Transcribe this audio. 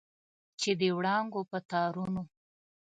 چې د وړانګو په تارونو